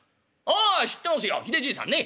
「あ知ってますよひでじいさんね」。